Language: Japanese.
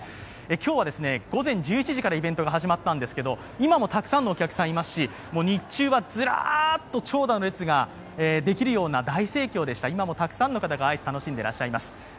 今日は午前１１時からイベントが始まったんですけれども、今もたくさんのお客さんいますし、日中はずらっと長蛇の列ができるような大盛況でした、今もたくさんの方がアイスを楽しんでいらっしゃいます。